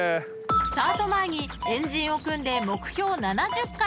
［スタート前に円陣を組んで目標７０回を掲げていた４人］